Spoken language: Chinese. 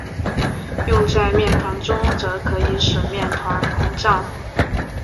用在面团中则可以使面团膨胀。